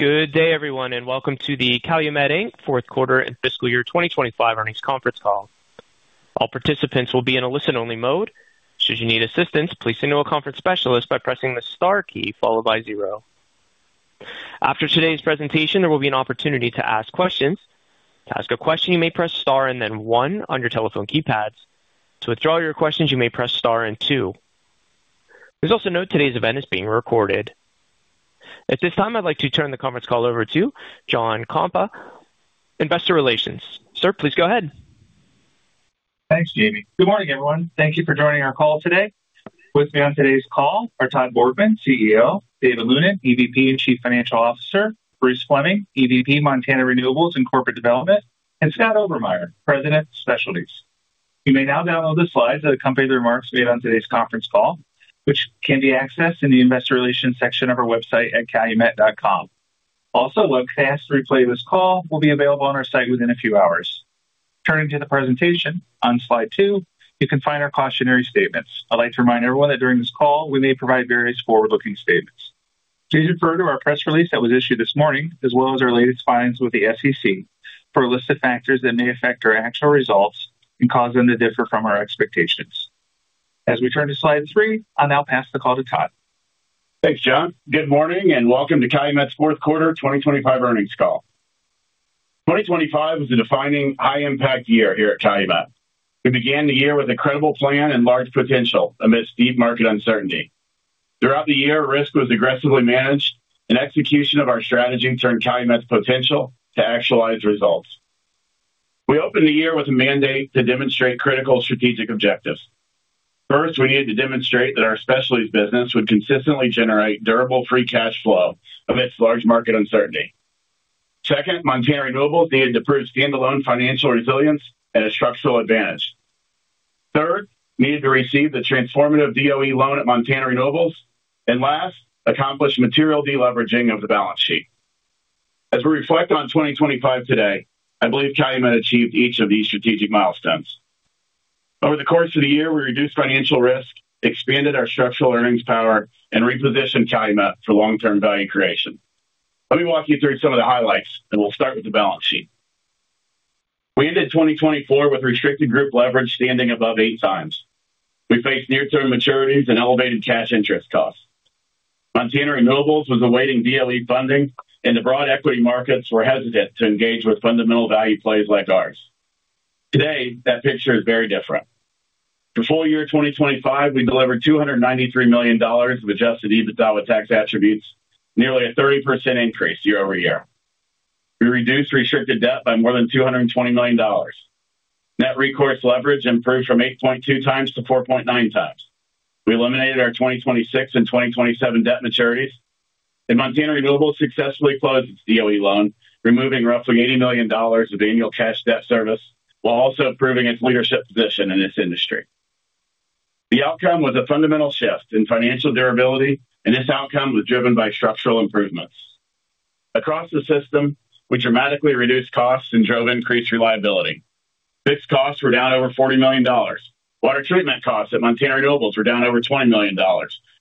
Good day, everyone, and welcome to the Calumet, Inc. Fourth Quarter and Fiscal Year 2025 Earnings Conference Call. All participants will be in a listen-only mode. Should you need assistance, please signal a conference specialist by pressing the star key followed by zero. After today's presentation, there will be an opportunity to ask questions. To ask a question, you may press star and then one on your telephone keypads. To withdraw your questions, you may press star and two. Please also note today's event is being recorded. At this time, I'd like to turn the conference call over to John Kompa, Investor Relations. Sir, please go ahead. Thanks, Jamie. Good morning, everyone. Thank you for joining our call today. With me on today's call are Todd Borgmann, CEO; David Lunin, EVP and Chief Financial Officer; Bruce Fleming, EVP, Montana Renewables and Corporate Development; and Scott Obermeier, President, Specialties. You may now download the slides that accompany the remarks made on today's conference call, which can be accessed in the investor relations section of our website at calumet.com. Also, a webcast replay of this call will be available on our site within a few hours. Turning to the presentation, on slide two, you can find our cautionary statements. I'd like to remind everyone that during this call, we may provide various forward-looking statements. Please refer to our press release that was issued this morning, as well as our latest filings with the SEC for a list of factors that may affect our actual results and cause them to differ from our expectations. As we turn to slide three, I'll now pass the call to Todd. Thanks, John. Good morning, and welcome to Calumet's fourth quarter 2025 earnings call. 2025 was a defining high impact year here at Calumet. We began the year with a credible plan and large potential amidst deep market uncertainty. Throughout the year, risk was aggressively managed and execution of our strategy turned Calumet's potential to actualized results. We opened the year with a mandate to demonstrate critical strategic objectives. First, we needed to demonstrate that our specialties business would consistently generate durable free cash flow amidst large market uncertainty. Second, Montana Renewables needed to prove standalone financial resilience and a structural advantage. Third, we needed to receive the transformative DOE loan at Montana Renewables, and last, accomplish material deleveraging of the balance sheet. As we reflect on 2025 today, I believe Calumet achieved each of these strategic milestones. Over the course of the year, we reduced financial risk, expanded our structural earnings power, and repositioned Calumet for long-term value creation. Let me walk you through some of the highlights. We'll start with the balance sheet. We ended 2024 with restricted group leverage standing above 8x. We faced near-term maturities and elevated cash interest costs. Montana Renewables was awaiting DOE funding. The broad equity markets were hesitant to engage with fundamental value plays like ours. Today, that picture is very different. For full year 2025, we delivered $293 million of adjusted EBITDA with tax attributes, nearly a 30% increase year-over-year. We reduced restricted debt by more than $220 million. Net recourse leverage improved from 8.2x to 4.9x. We eliminated our 2026 and 2027 debt maturities. Montana Renewables successfully closed its DOE loan, removing roughly $80 million of annual cash debt service while also improving its leadership position in this industry. The outcome was a fundamental shift in financial durability. This outcome was driven by structural improvements. Across the system, we dramatically reduced costs and drove increased reliability. Fixed costs were down over $40 million. Water treatment costs at Montana Renewables were down over $20 million,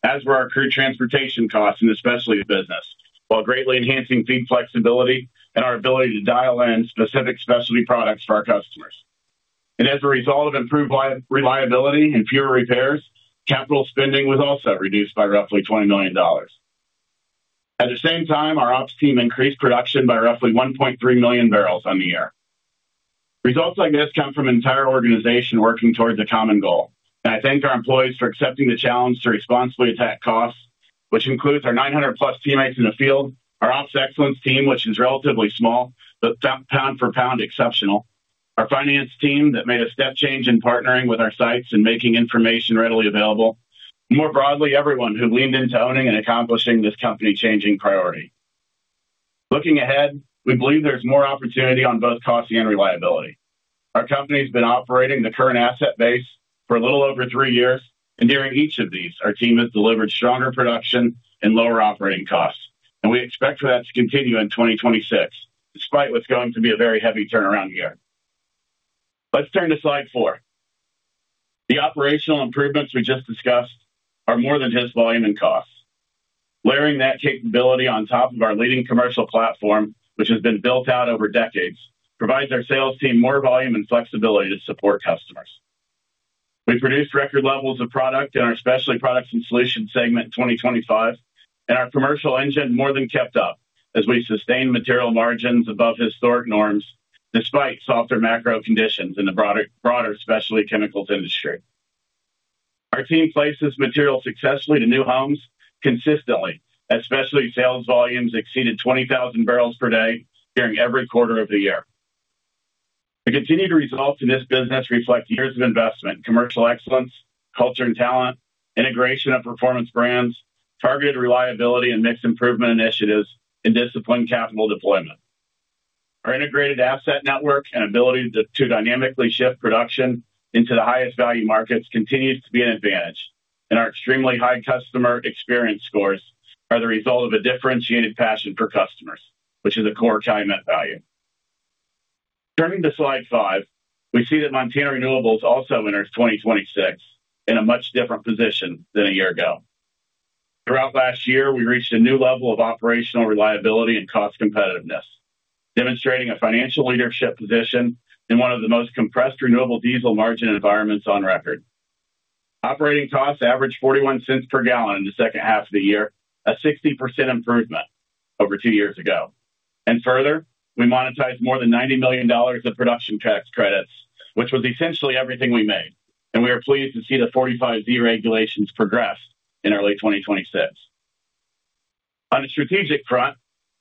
as were our crude transportation costs in the specialties business, while greatly enhancing feed flexibility and our ability to dial in specific specialty products for our customers. As a result of improved reliability and fewer repairs, capital spending was also reduced by roughly $20 million. At the same time, our ops team increased production by roughly 1.3 million bbl on the year. Results like this come from an entire organization working towards a common goal. I thank our employees for accepting the challenge to responsibly attack costs, which includes our 900+ teammates in the field, our ops excellence team, which is relatively small, but pound for pound exceptional, our finance team that made a step change in partnering with our sites and making information readily available, more broadly, everyone who leaned into owning and accomplishing this company-changing priority. Looking ahead, we believe there's more opportunity on both costing and reliability. Our company's been operating the current asset base for a little over three years. During each of these, our team has delivered stronger production and lower operating costs. We expect for that to continue in 2026, despite what's going to be a very heavy turnaround year. Let's turn to slide four. The operational improvements we just discussed are more than just volume and cost. Layering that capability on top of our leading commercial platform, which has been built out over decades, provides our sales team more volume and flexibility to support customers. We produced record levels of product in our Specialty Products and Solutions segment in 2025. Our commercial engine more than kept up as we sustained material margins above historic norms, despite softer macro conditions in the broader specialty chemicals industry. Our team places material successfully to new homes consistently, as specialty sales volumes exceeded 20,000 bbl per day during every quarter of the year. The continued results in this business reflect years of investment, commercial excellence, culture and talent, integration of Performance Brands, targeted reliability and mixed improvement initiatives, and disciplined capital deployment. Our integrated asset network and ability to dynamically shift production into the highest value markets continues to be an advantage. Our extremely high customer experience scores are the result of a differentiated passion for customers, which is a core Calumet value. Turning to slide five, we see that Montana Renewables also enters 2026 in a much different position than a year ago. Throughout last year, we reached a new level of operational reliability and cost competitiveness, demonstrating a financial leadership position in one of the most compressed renewable diesel margin environments on record. Operating costs averaged $0.41 per gal in the second half of the year, a 60% improvement over two years ago. Further, we monetized more than $90 million of Production Tax Credits, which was essentially everything we made, and we are pleased to see the Section 45Z regulations progress in early 2026. On the strategic front,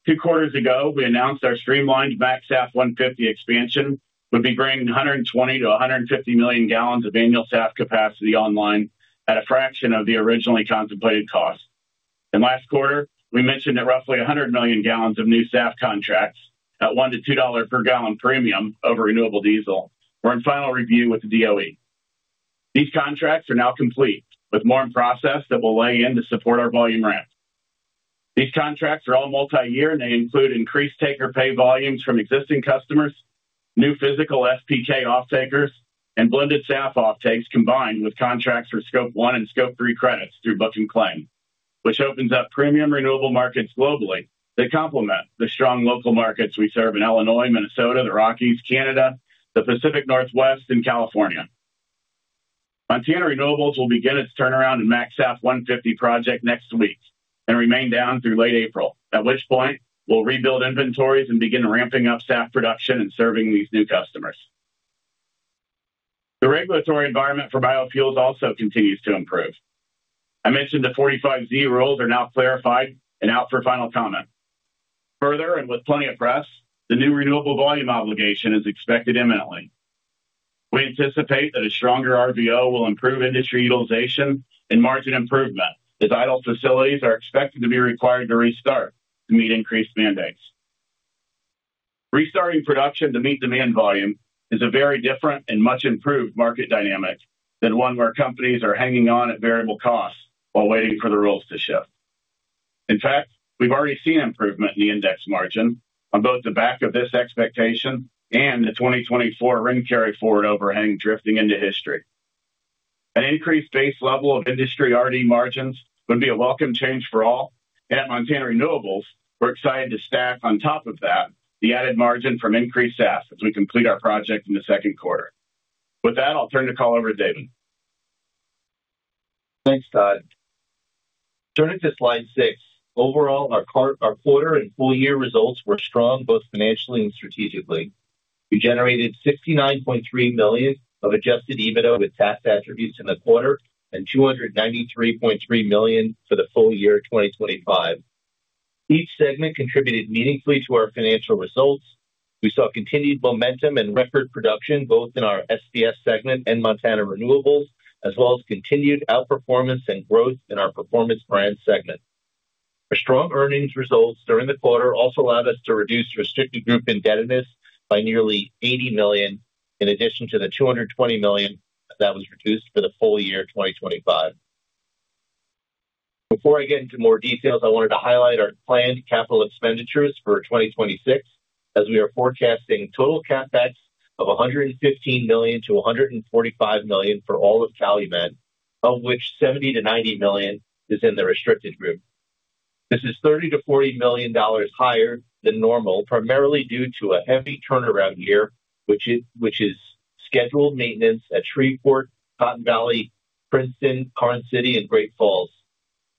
two quarters ago, we announced our streamlined MaxSAF 150 expansion would be bringing 120 million-150 million gal of annual SAF capacity online at a fraction of the originally contemplated cost. Last quarter, we mentioned that roughly 100 million gal of new SAF contracts at $1-$2 per gal premium over renewable diesel were in final review with the DOE. These contracts are now complete, with more in process that will lay in to support our volume ramp. These contracts are all multi-year, and they include increased take-or-pay volumes from existing customers, new physical SPK offtakers, and blended SAF offtakes, combined with contracts for Scope One and Scope Three credits through book and claim, which opens up premium renewable markets globally that complement the strong local markets we serve in Illinois, Minnesota, the Rockies, Canada, the Pacific Northwest, and California. Montana Renewables will begin its turnaround in MaxSAF 150 project next week and remain down through late April, at which point we'll rebuild inventories and begin ramping up SAF production and serving these new customers. The regulatory environment for biofuels also continues to improve. I mentioned the 45Z rules are now clarified and out for final comment. Further, and with plenty of press, the new renewable volume obligation is expected imminently. We anticipate that a stronger RVO will improve industry utilization and margin improvement, as idle facilities are expected to be required to restart to meet increased mandates. Restarting production to meet demand volume is a very different and much improved market dynamic than one where companies are hanging on at variable costs while waiting for the rules to shift. We've already seen improvement in the index margin on both the back of this expectation and the 2024 RIN carry forward overhang drifting into history. An increased base level of industry RD margins would be a welcome change for all, and at Montana Renewables, we're excited to stack on top of that the added margin from increased SAF as we complete our project in the second quarter. With that, I'll turn the call over to David. Thanks, Todd. Turning to slide six. Overall, our quarter and full year results were strong, both financially and strategically. We generated $69.3 million of adjusted EBITDA with tax attributes in the quarter and $293.3 million for the full year, 2025. Each segment contributed meaningfully to our financial results. We saw continued momentum and record production, both in our SPS segment and Montana Renewables, as well as continued outperformance and growth in our Performance Brands segment. Our strong earnings results during the quarter also allowed us to reduce restricted group indebtedness by nearly $80 million, in addition to the $220 million that was reduced for the full year, 2025. Before I get into more details, I wanted to highlight our planned capital expenditures for 2026, as we are forecasting total CapEx of $115 million-$145 million for all of Calumet, of which $70 million-$90 million is in the restricted group. This is $30 million-$40 million higher than normal, primarily due to a heavy turnaround year, which is scheduled maintenance at Shreveport, Cotton Valley, Princeton, Karns City, and Great Falls.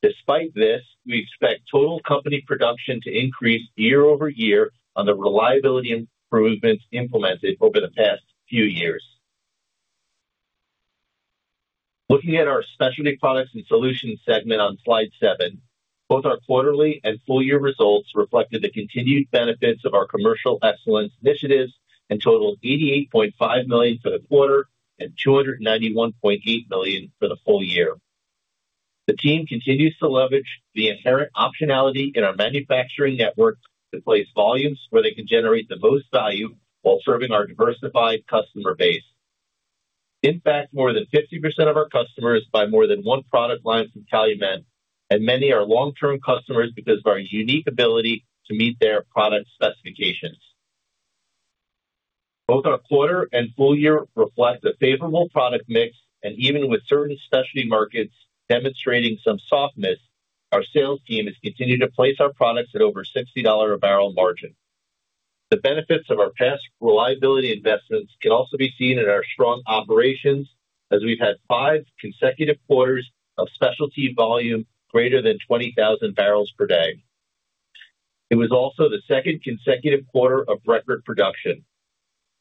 Despite this, we expect total company production to increase year-over-year on the reliability improvements implemented over the past few years. Looking at our Specialty Products and Solutions segment on slide seven, both our quarterly and full year results reflected the continued benefits of our commercial excellence initiatives and totaled $88.5 million for the quarter and $291.8 million for the full year. The team continues to leverage the inherent optionality in our manufacturing network to place volumes where they can generate the most value while serving our diversified customer base. More than 50% of our customers buy more than one product line from Calumet, and many are long-term customers because of our unique ability to meet their product specifications. Both our quarter and full year reflect a favorable product mix, even with certain specialty markets demonstrating some softness, our sales team has continued to place our products at over $60 a bbl margin. The benefits of our past reliability investments can also be seen in our strong operations, as we've had five consecutive quarters of specialty volume greater than 20,000 bbl per day. It was also the second consecutive quarter of record production.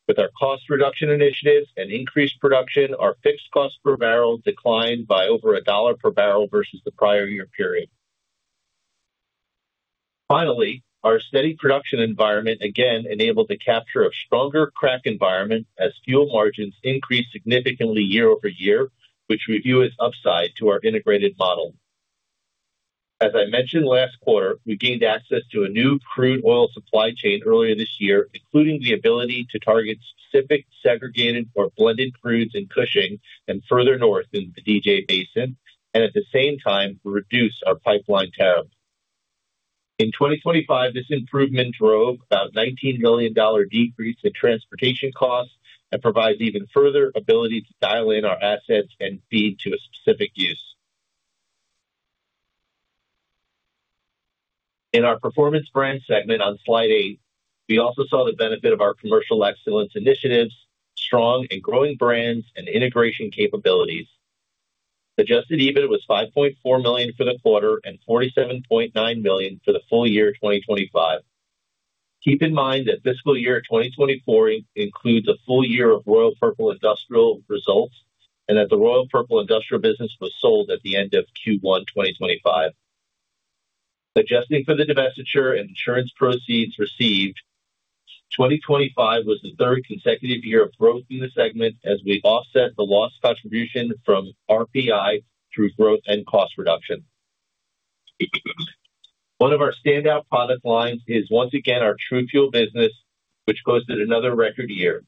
With our cost reduction initiatives and increased production, our fixed cost per barrel declined by over $1 per bbl versus the prior year period. Finally, our steady production environment again enabled the capture of stronger crack environment as fuel margins increased significantly year-over-year, which we view as upside to our integrated model. As I mentioned last quarter, I gained access to a new crude oil supply chain earlier this year, including the ability to target specific segregated or blended crudes in Cushing and further north in the DJ Basin, and at the same time, reduce our pipeline tab. In 2025, this improvement drove about a $19 million decrease in transportation costs and provides even further ability to dial in our assets and feed to a specific use. In our Performance Brands segment on slide eight, we also saw the benefit of our commercial excellence initiatives, strong and growing brands, and integration capabilities. Adjusted EBIT was $5.4 million for the quarter and $47.9 million for the full year of 2025. Keep in mind that fiscal year 2024 includes a full year of Royal Purple Industrial results and that the Royal Purple Industrial business was sold at the end of Q1, 2025. Adjusting for the divestiture and insurance proceeds received, 2025 was the third consecutive year of growth in the segment as we offset the lost contribution from RPI through growth and cost reduction. One of our standout product lines is once again our TruFuel business, which posted another record year.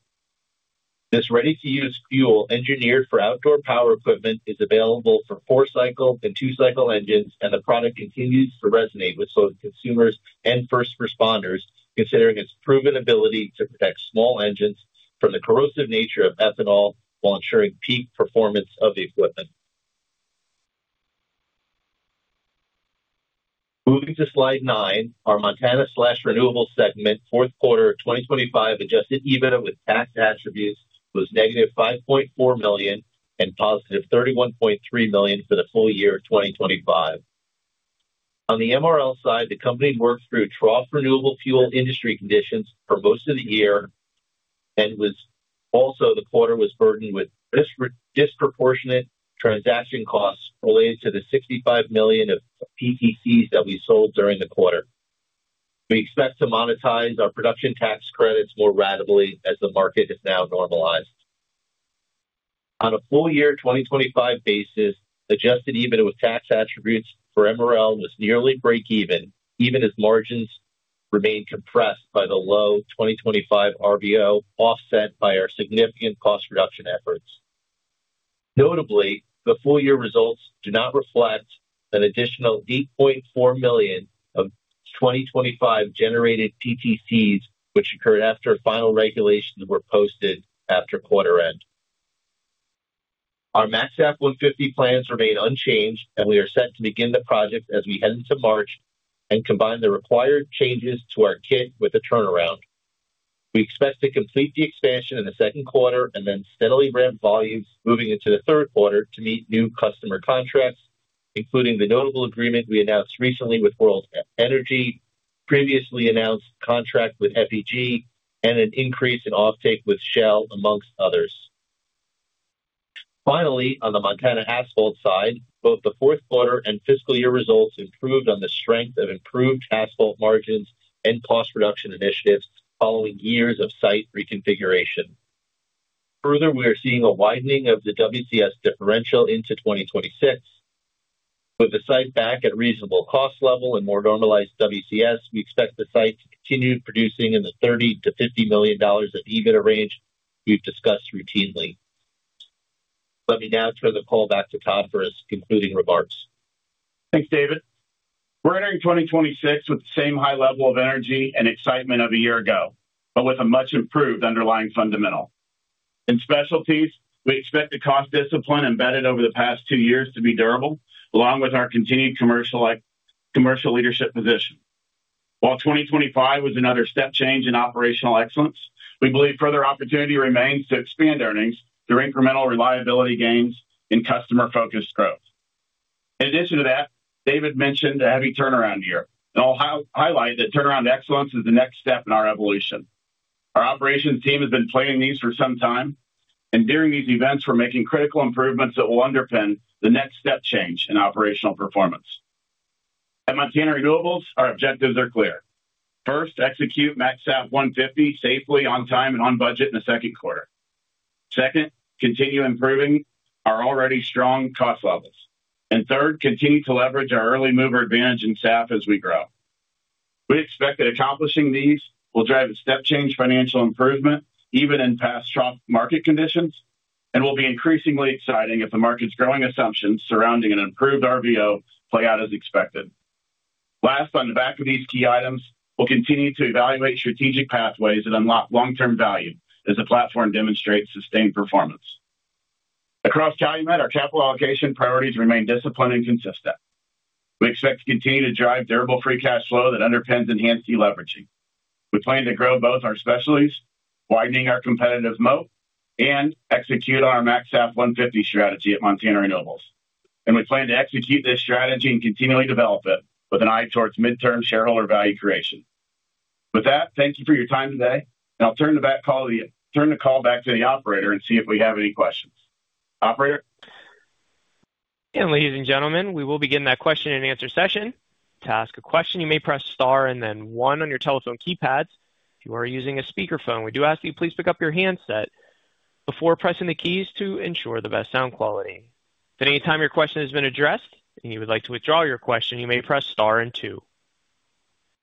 This ready-to-use fuel, engineered for outdoor power equipment, is available for four-cycle and two-cycle engines, and the product continues to resonate with both consumers and first responders, considering its proven ability to protect small engines from the corrosive nature of ethanol while ensuring peak performance of the equipment. Moving to slide nine. Our Montana Renewables segment, fourth quarter 2025 adjusted EBIT with tax attributes was -$5.4 million and positive $31.3 million for the full year of 2025. On the MRL side, the company worked through trough renewable fuel industry conditions for most of the year also, the quarter was burdened with disproportionate transaction costs related to the $65 million of PTCs that we sold during the quarter. We expect to monetize our Production Tax Credits more ratably as the market is now normalized. On a full year 2025 basis, adjusted EBIT with tax attributes for MRL was nearly breakeven, even as margins remained compressed by the low 2025 RVO, offset by our significant cost reduction efforts. Notably, the full year results do not reflect an additional $8.4 million of 2025 generated PTCs, which occurred after final regulations were posted after quarter end. Our MaxSAF 150 plans remain unchanged, and we are set to begin the project as we head into March and combine the required changes to our kit with a turnaround. We expect to complete the expansion in the second quarter and then steadily ramp volumes moving into the third quarter to meet new customer contracts, including the notable agreement we announced recently with World Energy, previously announced contract with FEG, and an increase in offtake with Shell, amongst others. Finally, on the Montana Asphalt side, both the fourth quarter and fiscal year results improved on the strength of improved asphalt margins and cost reduction initiatives following years of site reconfiguration. Further, we are seeing a widening of the WCS differential into 2026. With the site back at reasonable cost level and more normalized WCS, we expect the site to continue producing in the $30 million-$50 million of EBIT range we've discussed routinely. Let me now turn the call back to Todd for his concluding remarks. Thanks, David. We're entering 2026 with the same high level of energy and excitement of a year ago, but with a much improved underlying fundamental. In Specialties, we expect the cost discipline embedded over the past two years to be durable, along with our continued commercial leadership position. While 2025 was another step change in operational excellence, we believe further opportunity remains to expand earnings through incremental reliability gains and customer-focused growth. In addition to that, David mentioned a heavy turnaround year, and I'll highlight that turnaround excellence is the next step in our evolution. Our operations team has been planning these for some time, and during these events, we're making critical improvements that will underpin the next step change in operational performance. At Montana Renewables, our objectives are clear. First, execute MaxSAF 150 safely, on time, and on budget in the second quarter. Second, continue improving our already strong cost levels. Third, continue to leverage our early mover advantage in SAF as we grow. We expect that accomplishing these will drive a step change financial improvement even in past strong market conditions, and will be increasingly exciting if the market's growing assumptions surrounding an improved RVO play out as expected. Last, on the back of these key items, we'll continue to evaluate strategic pathways that unlock long-term value as the platform demonstrates sustained performance. Across Calumet, our capital allocation priorities remain disciplined and consistent. We expect to continue to drive durable free cash flow that underpins enhanced deleveraging. We plan to grow both our specialties, widening our competitive moat, and execute on our MaxSAF 150 strategy at Montana Renewables. We plan to execute this strategy and continually develop it with an eye towards midterm shareholder value creation. With that, thank you for your time today, and I'll turn the call back to the operator and see if we have any questions. Operator? Ladies and gentlemen, we will begin that question-and-answer session. To ask a question, you may press star and then one on your telephone keypads. If you are using a speakerphone, we do ask you please pick up your handset before pressing the keys to ensure the best sound quality. If at any time your question has been addressed and you would like to withdraw your question, you may press star and two.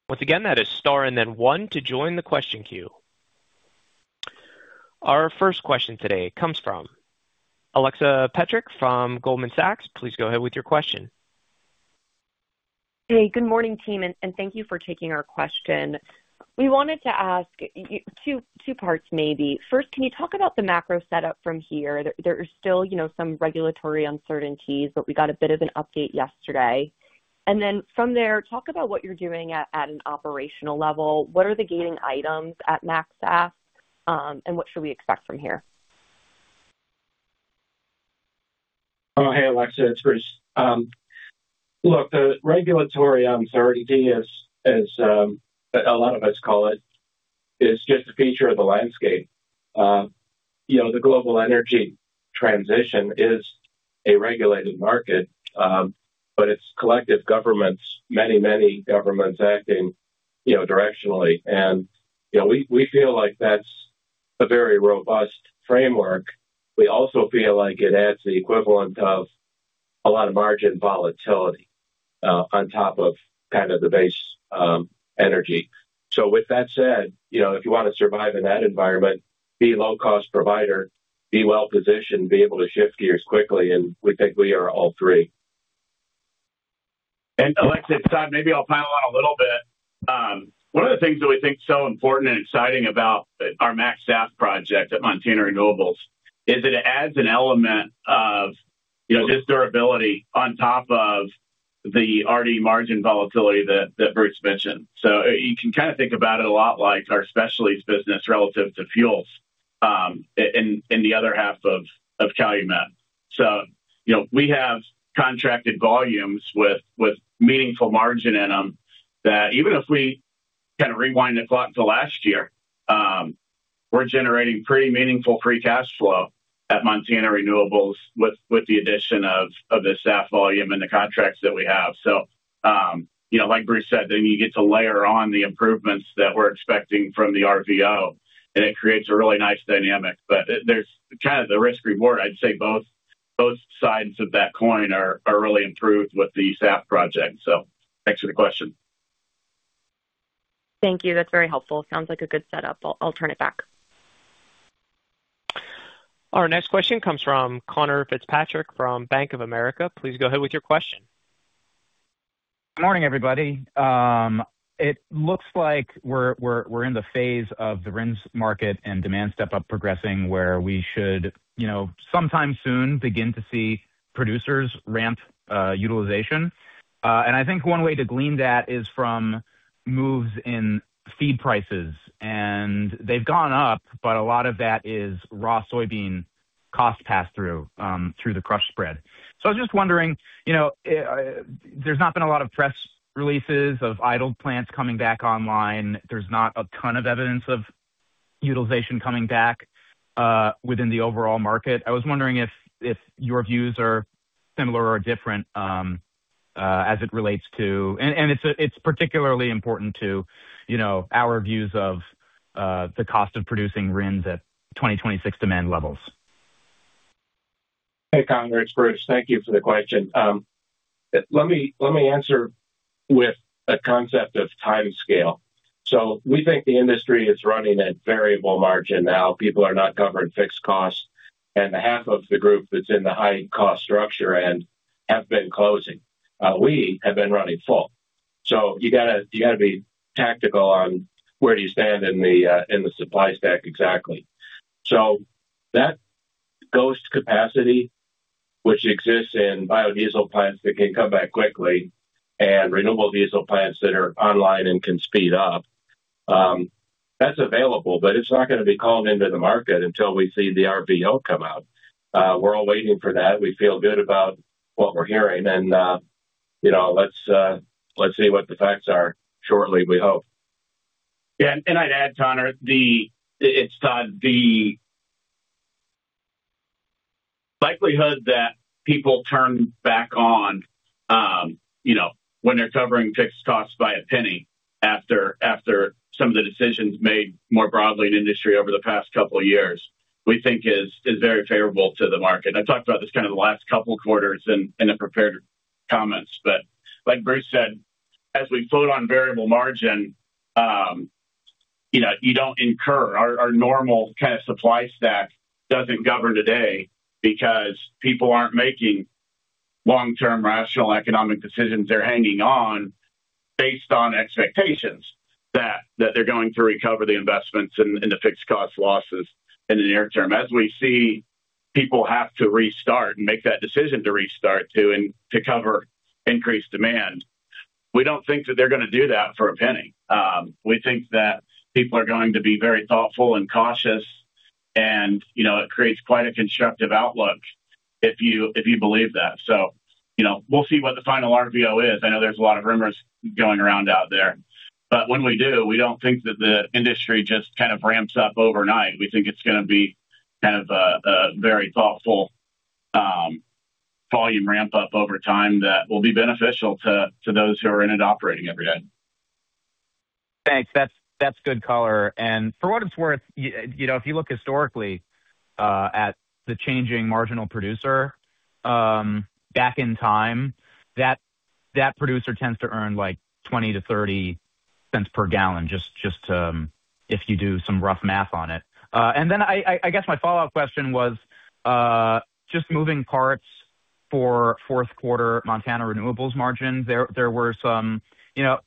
Once again, that is star and then one to join the question queue. Our first question today comes from Alexa Petrick from Goldman Sachs. Please go ahead with your question. Hey, good morning, team, and thank you for taking our question. We wanted to ask two parts, maybe. First, can you talk about the macro setup from here? There is still, you know, some regulatory uncertainties, but we got a bit of an update yesterday. Then from there, talk about what you're doing at an operational level. What are the gaining items at MaxSAF, and what should we expect from here? Oh, hey, Alexa, it's Bruce. Look, the regulatory uncertainty is, as a lot of us call it, is just a feature of the landscape. You know, the global energy transition is a regulated market, but it's collective governments, many, many governments acting, you know, directionally. You know, we feel like that's a very robust framework. We also feel like it adds the equivalent of a lot of margin volatility on top of kind of the base energy. With that said, you know, if you want to survive in that environment, be a low-cost provider, be well positioned, be able to shift gears quickly, and we think we are all three. Alexa, Todd, maybe I'll pile on a little bit. One of the things that we think is so important and exciting about our MaxSAF project at Montana Renewables is that it adds an element of, you know, just durability on top of the already margin volatility that Bruce mentioned. You can kind of think about it a lot like our specialties business relative to fuels, in the other half of Calumet. You know, we have contracted volumes with meaningful margin in them, that even if we kind of rewind the clock to last year, we're generating pretty meaningful free cash flow at Montana Renewables with the addition of the SAF volume and the contracts that we have. You know, like Bruce said, then you get to layer on the improvements that we're expecting from the RVO, and it creates a really nice dynamic. There's kind of the risk reward. I'd say both sides of that coin are really improved with the SAF project. Thanks for the question. Thank you. That's very helpful. Sounds like a good setup. I'll turn it back. Our next question comes from Conor Fitzpatrick from Bank of America. Please go ahead with your question. Good morning, everybody. It looks like we're in the phase of the RINs market and demand step-up progressing, where we should, you know, sometime soon, begin to see producers ramp utilization. I think one way to glean that is from moves in feed prices, and they've gone up, but a lot of that is raw soybean cost pass-through through the crush spread. I was just wondering, you know, there's not been a lot of press releases of idle plants coming back online. There's not a ton of evidence of utilization coming back within the overall market. I was wondering if your views are similar or different as it relates to. It's particularly important to, you know, our views of the cost of producing RINs at 2026 demand levels. Hey, Conor, it's Bruce. Thank you for the question. Let me answer with a concept of time scale. We think the industry is running at variable margin now. People are not covering fixed costs, and the half of the group that's in the high cost structure end have been closing. We have been running full. You got to be tactical on where do you stand in the supply stack exactly. That ghost capacity, which exists in biodiesel plants that can come back quickly and renewable diesel plants that are online and can speed up, that's available, but it's not going to be called into the market until we see the RVO come out. We're all waiting for that. We feel good about what we're hearing, and, you know, let's see what the facts are shortly, we hope. Yeah, I'd add, Conor, it's, you know, the likelihood that people turn back on when they're covering fixed costs by $0.01 after some of the decisions made more broadly in industry over the past two years, we think is very favorable to the market. I talked about this kind of the last two quarters in the prepared comments, like Bruce said, as we float on variable margin, you know, you don't incur. Our normal kind of supply stack doesn't govern today because people aren't making long-term rational economic decisions. They're hanging on based on expectations that they're going to recover the investments and the fixed cost losses in the near term. As we see, people have to restart and make that decision to restart and to cover increased demand. We don't think that they're going to do that for a penny. We think that people are going to be very thoughtful and cautious, and, you know, it creates quite a constructive outlook if you believe that. You know, we'll see what the final RVO is. I know there's a lot of rumors going around out there, when we do, we don't think that the industry just kind of ramps up overnight. We think it's going to be kind of a very thoughtful, volume ramp up over time that will be beneficial to those who are in it operating every day. Thanks. That's good color. For what it's worth, you know, if you look historically at the changing marginal producer, back in time, that producer tends to earn, like, $0.20-$0.30 per gal, just, if you do some rough math on it. I guess my follow-up question was just moving parts for fourth quarter Montana Renewables margin. There were some, you know,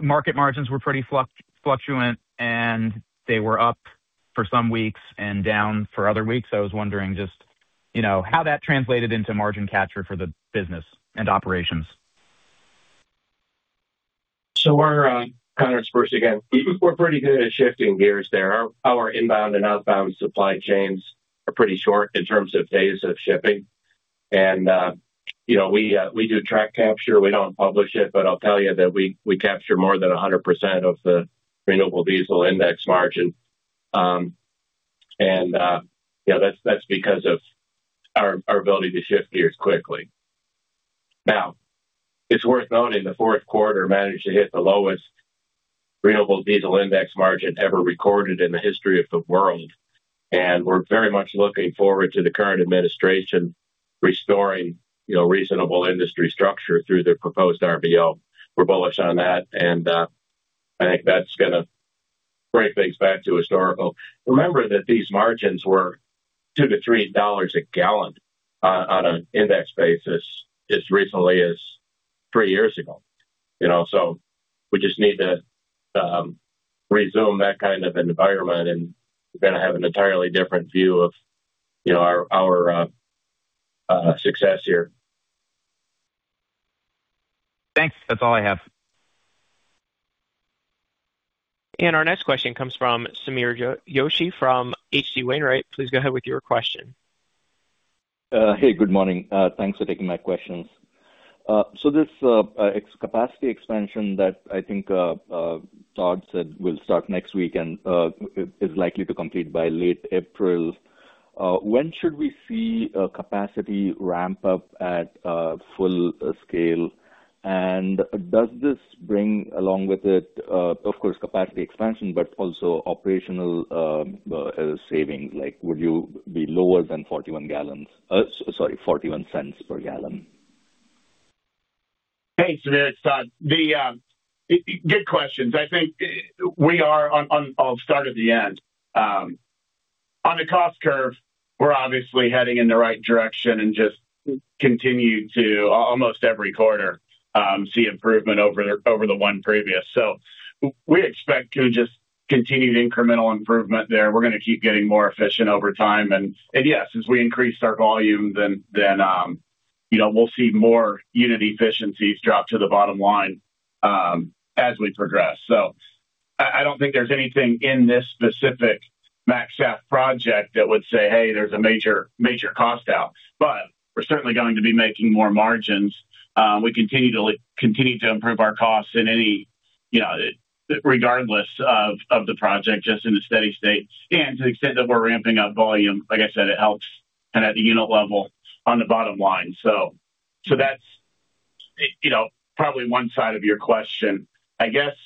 market margins were pretty fluctuant, and they were up for some weeks and down for other weeks. I was wondering just, you know, how that translated into margin capture for the business and operations. Conor, it's Bruce again. We're pretty good at shifting gears there. Our inbound and outbound supply chains are pretty short in terms of days of shipping. You know, we do track capture. We don't publish it, but I'll tell you that we capture more than 100% of the renewable diesel index margin. Yeah, that's because of our ability to shift gears quickly. Now, it's worth noting the fourth quarter managed to hit the lowest renewable diesel index margin ever recorded in the history of the world, and we're very much looking forward to the current administration restoring, you know, reasonable industry structure through their proposed RVO. We're bullish on that, and I think that's gonna bring things back to historical. Remember that these margins were $2-$3 a gal on an index basis as recently as three years ago, you know? We just need to resume that kind of environment, and we're gonna have an entirely different view of, you know, our success here. Thanks. That's all I have. Our next question comes from Sameer Joshi from H.C. Wainwright. Please go ahead with your question. Hey, good morning. Thanks for taking my questions. This capacity expansion that I think Todd said will start next week and is likely to complete by late April. When should we see capacity ramp up at full scale? Does this bring along with it, of course, capacity expansion, but also operational savings? Like, would you be lower than 41 gal, sorry, $0.41 per gal? Hey, Sameer, it's Todd. The good questions. I think we are on. I'll start at the end. On the cost curve, we're obviously heading in the right direction and just continue to, almost every quarter, see improvement over the one previous. We expect to just continue the incremental improvement there. We're gonna keep getting more efficient over time. Yes, as we increase our volume, then, you know, we'll see more unit efficiencies drop to the bottom line as we progress. I don't think there's anything in this specific MaxSAF project that would say, "Hey, there's a major cost out," but we're certainly going to be making more margins. We continue to improve our costs in any, you know, regardless of the project, just in a steady state. To the extent that we're ramping up volume, like I said, it helps and at the unit level on the bottom line. So that's, you know, probably one side of your question. I guess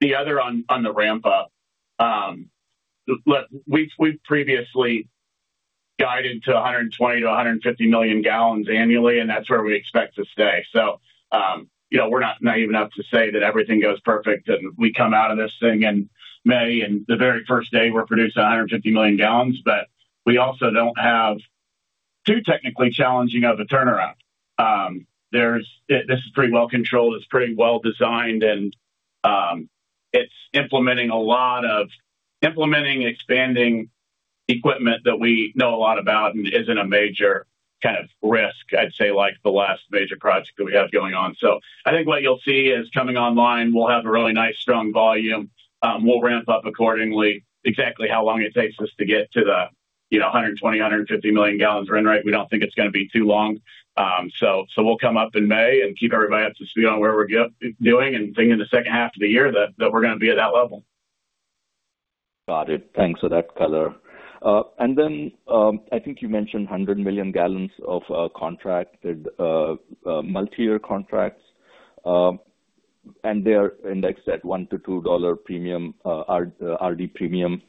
the other on the ramp up, look, we've previously guided to 120 million-150 million gal annually, and that's where we expect to stay. You know, we're not naive enough to say that everything goes perfect and we come out of this thing in May, and the very first day we're producing 150 million gal. We also don't have too technically challenging of a turnaround. This is pretty well controlled, it's pretty well designed, and it's implementing expanding equipment that we know a lot about and isn't a major kind of risk, I'd say, like the last major project that we have going on. I think what you'll see is coming online, we'll have a really nice, strong volume. We'll ramp up accordingly. Exactly how long it takes us to get to the, you know, 120-150 million gal run rate, we don't think it's gonna be too long. We'll come up in May and keep everybody up to speed on where we're doing, and think in the second half of the year that we're gonna be at that level. Got it. Thanks for that color. I think you mentioned 100 million gal of contracted multiyear contracts, and they are indexed at $1-$2 premium RD premium.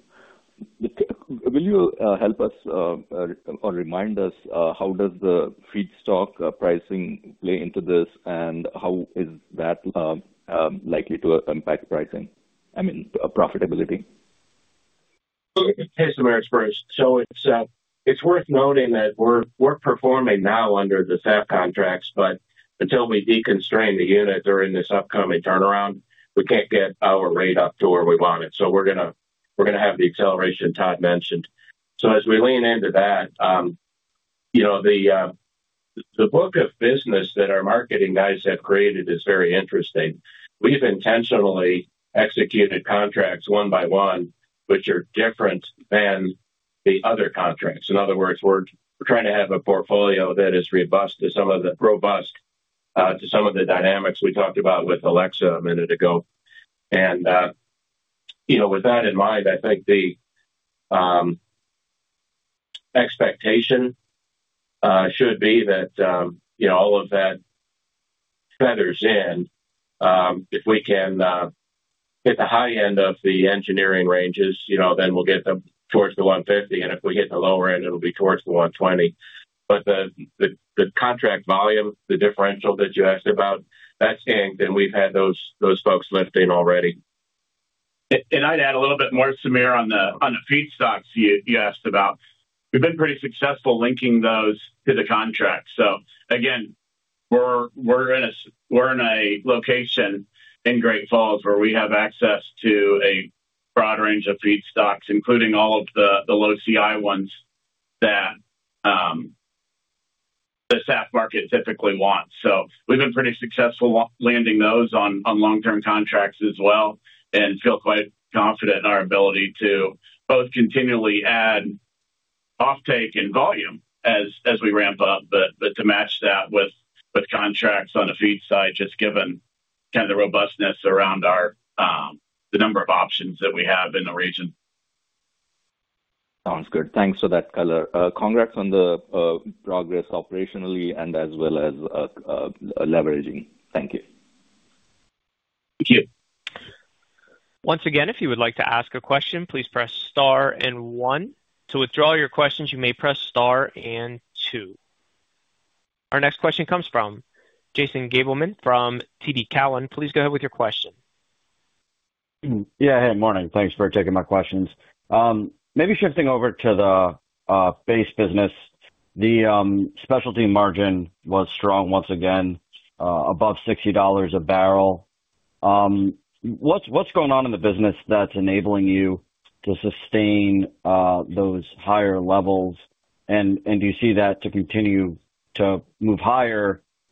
Will you help us or remind us how does the feedstock pricing play into this, and how is that likely to impact pricing? I mean, profitability. Hey, Sameer, it's Bruce. It's worth noting that we're performing now under the SAF contracts, but until we deconstrain the unit during this upcoming turnaround, we can't get our rate up to where we want it, we're gonna have the acceleration Todd mentioned. As we lean into that, you know, the book of business that our marketing guys have created is very interesting. We've intentionally executed contracts one by one, which are different than the other contracts. In other words, we're trying to have a portfolio that is robust to some of the robust to some of the dynamics we talked about with Alexa a minute ago. With that in mind, I think the expectation should be that, you know, all of that.... feathers in, if we can hit the high end of the engineering ranges, you know, then we'll get them towards the 150, and if we hit the lower end, it'll be towards the 120. The contract volume, the differential that you asked about, that's in, and we've had those folks lifting already. I'd add a little bit more, Samir, on the feedstocks you asked about. We've been pretty successful linking those to the contract. Again, we're in a location in Great Falls where we have access to a broad range of feedstocks, including all of the low CI ones that the SAF market typically wants. We've been pretty successful landing those on long-term contracts as well, and feel quite confident in our ability to both continually add offtake and volume as we ramp up. But to match that with contracts on the feed side, just given kind of the robustness around our the number of options that we have in the region. Sounds good. Thanks for that color. Congrats on the progress operationally and as well as leveraging. Thank you. Thank you. Once again, if you would like to ask a question, please press star one. To withdraw your questions, you may press star two. Our next question comes from Jason Gabelman from TD Cowen. Please go ahead with your question. Yeah. Hey, morning. Thanks for taking my questions. Maybe shifting over to the base business. The Specialty margin was strong once again, above $60 a bbl. What's going on in the business that's enabling you to sustain those higher levels? Do you see that to continue to move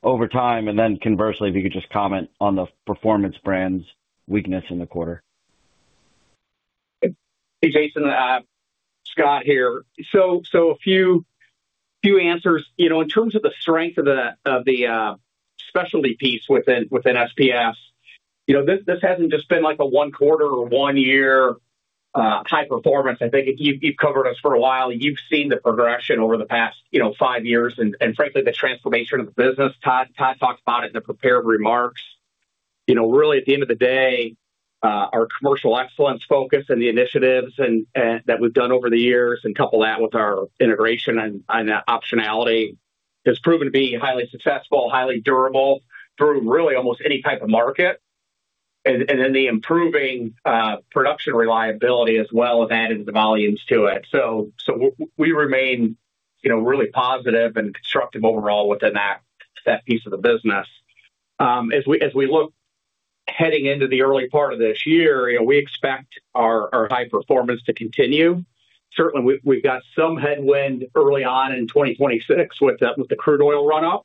higher over time? Conversely, if you could just comment on the Performance Brands' weakness in the quarter. Hey, Jason, Scott here. A few answers. You know, in terms of the strength of the specialty piece within SPF, you know, this hasn't just been like a one quarter or one year high performance. I think you've covered us for a while. You've seen the progression over the past, you know, five years and frankly, the transformation of the business. Todd talked about it in the prepared remarks. You know, really, at the end of the day, our commercial excellence focus and the initiatives and that we've done over the years, and couple that with our integration and optionality, has proven to be highly successful, highly durable, through really almost any type of market. Then the improving production reliability as well, have added the volumes to it. We remain, you know, really positive and constructive overall within that piece of the business. As we look heading into the early part of this year, you know, we expect our high performance to continue. Certainly, we've got some headwind early on in 2026 with the crude oil runoff,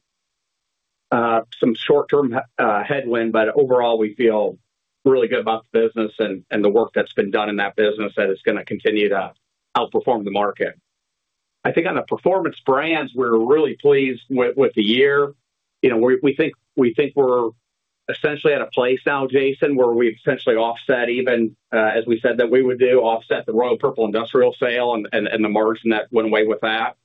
some short-term headwind, but overall, we feel really good about the business and the work that's been done in that business, that it's going to continue to outperform the market. I think on the Performance Brands, we're really pleased with the year. You know, we think we're essentially at a place now, Jason, where we've essentially offset even, as we said that we would do, offset the Royal Purple industrial sale and the margin that went away with that.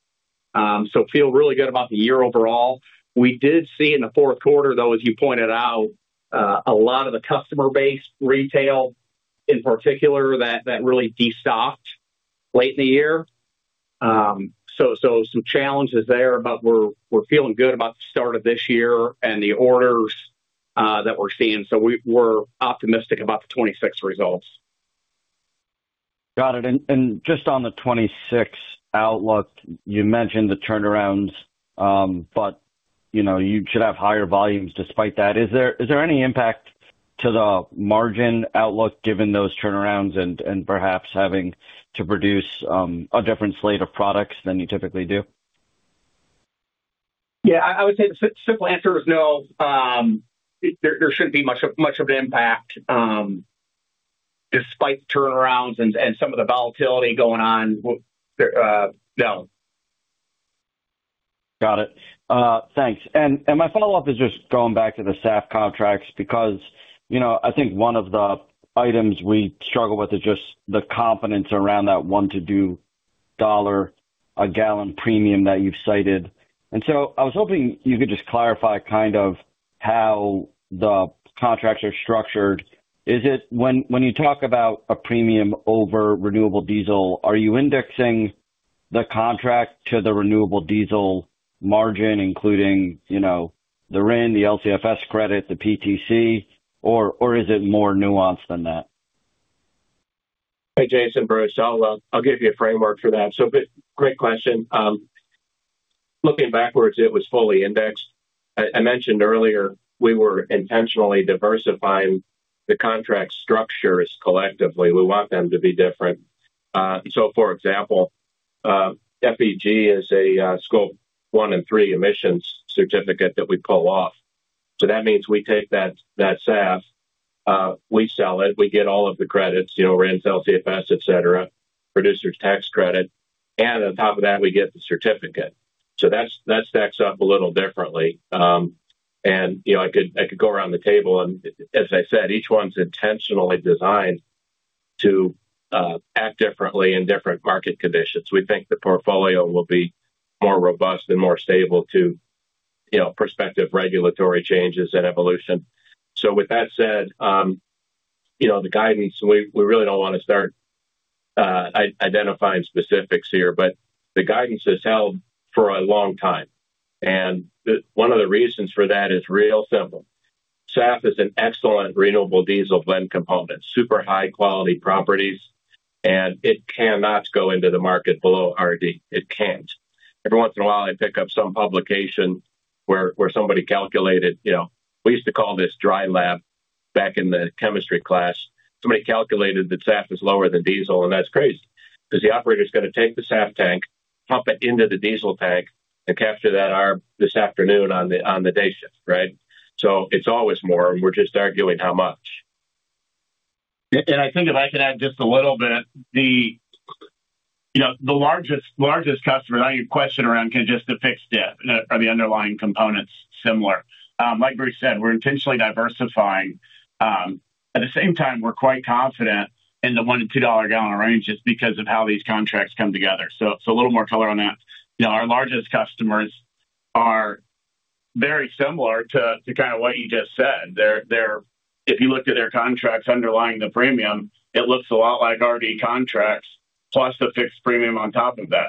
Feel really good about the year overall. We did see in the fourth quarter, though, as you pointed out, a lot of the customer base, retail in particular, that really destocked late in the year. So some challenges there, but we're feeling good about the start of this year and the orders that we're seeing. We're optimistic about the 2026 results. Got it. Just on the 2026 outlook, you mentioned the turnarounds, you know, you should have higher volumes despite that. Is there any impact to the margin outlook given those turnarounds perhaps having to produce a different slate of products than you typically do? I would say the simple answer is no. There shouldn't be much of an impact, despite turnarounds and some of the volatility going on, no. Got it. Thanks. My follow-up is just going back to the SAF contracts, because, you know, I think one of the items we struggle with is just the confidence around that $1-$2 a gal premium that you've cited. I was hoping you could just clarify kind of how the contracts are structured. When you talk about a premium over renewable diesel, are you indexing the contract to the renewable diesel margin, including, you know, the RIN, the LCFS credit, the PTC, or is it more nuanced than that? Hey, Jason, Bruce. I'll give you a framework for that. Great question. Looking backwards, it was fully indexed. I mentioned earlier, we were intentionally diversifying the contract structures collectively. We want them to be different. For example, FEG is a Scope One and Three emissions certificate that we pull off. That means we take that SAF, we sell it, we get all of the credits, you know, RIN, LCFS, et cetera, producer's tax credit, and on top of that, we get the certificate. That's, that stacks up a little differently. And, you know, I could go around the table, and as I said, each one's intentionally designed.... to act differently in different market conditions. We think the portfolio will be more robust and more stable to, you know, prospective regulatory changes and evolution. With that said, you know, the guidance, we really don't want to start identifying specifics here, but the guidance has held for a long time, and one of the reasons for that is real simple. SAF is an excellent renewable diesel blend component, super high-quality properties, and it cannot go into the market below RD. It can't. Every once in a while, I pick up some publication where somebody calculated, you know, we used to call this dry lab back in the chemistry class. Somebody calculated that SAF is lower than diesel, that's crazy because the operator is going to take the SAF tank, pump it into the diesel tank, and capture that RIN this afternoon on the day shift, right? It's always more, and we're just arguing how much. I think if I could add just a little bit, the, you know, the largest customer, on your question around, can just a fixed dip are the underlying components similar? Like Bruce said, we're intentionally diversifying. At the same time, we're quite confident in the $1-$2 gal range just because of how these contracts come together. A little more color on that. You know, our largest customers are very similar to, kind of what you just said. They're if you looked at their contracts underlying the premium, it looks a lot like RD contracts, plus the fixed premium on top of that.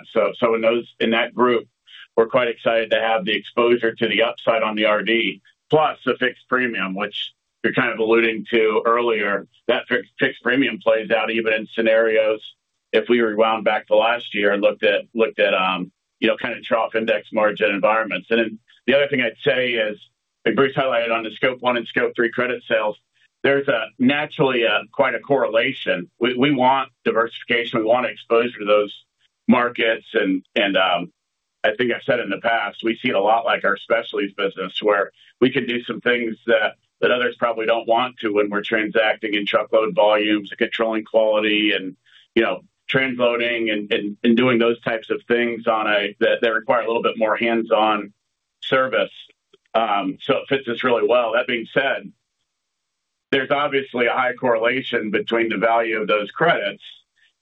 In those, in that group, we're quite excited to have the exposure to the upside on the RD, plus the fixed premium, which you're kind of alluding to earlier. That fixed premium plays out even in scenarios if we rewound back to last year and looked at, you know, kind of trough index margin environments. The other thing I'd say is, Bruce highlighted on the Scope One and Scope Three credit sales, there's a naturally quite a correlation. We want diversification, we want exposure to those markets, and I think I've said in the past, we see it a lot like our specialties business, where we can do some things that others probably don't want to when we're transacting in truckload volumes and controlling quality and, you know, transloading and doing those types of things that require a little bit more hands-on service, so it fits us really well. That being said, there's obviously a high correlation between the value of those credits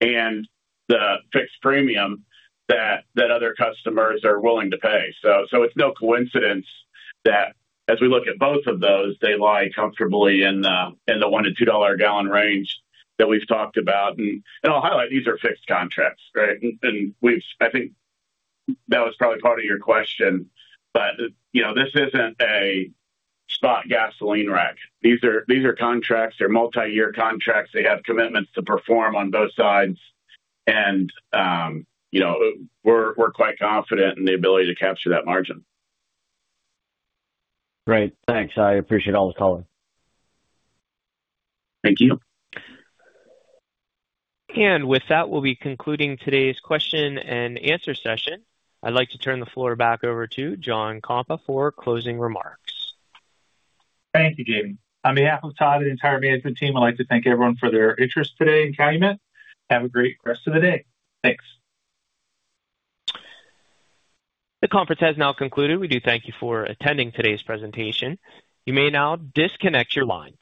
and the fixed premium that other customers are willing to pay. It's no coincidence that as we look at both of those, they lie comfortably in the $1-$2 gal range that we've talked about. I'll highlight, these are fixed contracts, right? I think that was probably part of your question, but, you know, this isn't a spot gasoline rack. These are contracts. They're multiyear contracts. They have commitments to perform on both sides, and, you know, we're quite confident in the ability to capture that margin. Great. Thanks. I appreciate all the color. Thank you. With that, we'll be concluding today's question and answer session. I'd like to turn the floor back over to John Kompa for closing remarks. Thank you, Jamie. On behalf of Todd and the entire management team, I'd like to thank everyone for their interest today in Calumet. Have a great rest of the day. Thanks. The conference has now concluded. We do thank you for attending today's presentation. You may now disconnect your lines.